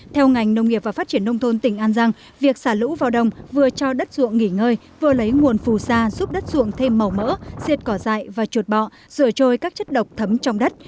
theo ngành nông nghiệp và phát triển nông thôn tỉnh an giang việc xả lũ vào đồng vừa cho đất ruộng nghỉ ngơi vừa lấy nguồn phù sa giúp đất ruộng thêm màu mỡ diệt cỏ dại và chuột bọ rửa trôi các chất độc thấm trong đất